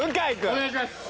お願いします！